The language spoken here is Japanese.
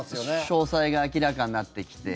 詳細が明らかになってきて。